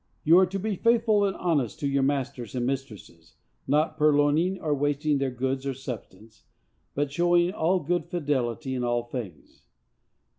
_You are to be faithful and honest to your masters and mistresses, not purloining or wasting their goods or substance, but showing all good fidelity in all things....